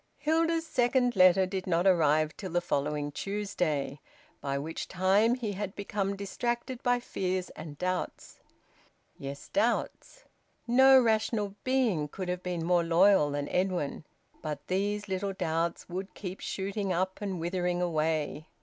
Hilda's second letter did not arrive till the following Tuesday, by which time he had become distracted by fears and doubts. Yes, doubts! No rational being could have been more loyal than Edwin, but these little doubts would keep shooting up and withering away.